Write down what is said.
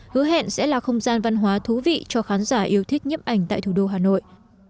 hứa hẹn sẽ là không gian văn hóa thú vị cho khán giả yêu thích nhiếp ảnh tại thủ đô hà nội